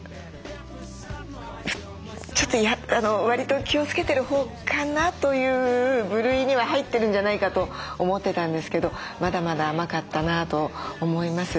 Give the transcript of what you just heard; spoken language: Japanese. ちょっとわりと気をつけてるほうかなという部類には入ってるんじゃないかと思ってたんですけどまだまだ甘かったなと思います。